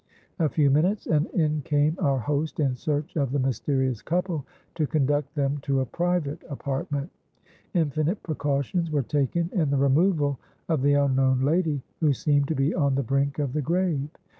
A few minutes, and in came our host in search of the mysterious couple, to conduct them to a private apartment. Infinite precautions were taken in the removal of the unknown lady, who seemed to be on the brink of the grave.